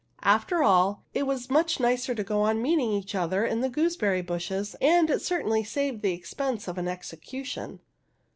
After all, it was much nicer to go on meeting each other among the gooseberry bushes, and it cer tainly saved the expense of an execution.